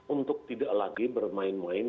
untuk tidak lagi bermain main